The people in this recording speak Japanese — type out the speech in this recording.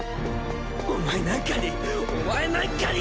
お前なんかにお前なんかに。